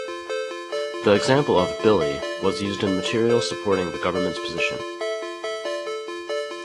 The example of "Billy" was used in material supporting the Government's position.